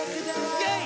イェイ！